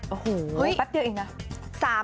โอ้โหแป๊บเดียวเองนะ